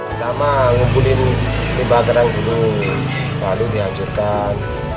pertama ngumpulin limba kerang dulu lalu dihancurkan